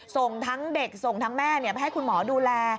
ส่งทั้งเด็กส่งทั้งแม่ไปให้คุณหมอดูแล